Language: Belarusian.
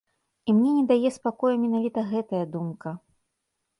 І мне не дае спакою менавіта гэтая думка.